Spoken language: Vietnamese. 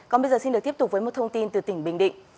còn bây giờ xin được tiếp tục với một thông tin từ tỉnh bình định